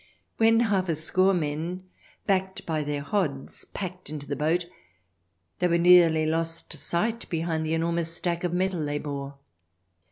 When half a score men, backed by their hods, packed into the boat, they were nearly lost to sight behind the enormous stack of metal they bore.